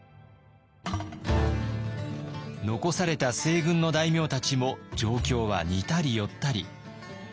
残された西軍の大名たちも状況は似たり寄ったり。